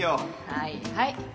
はいはい。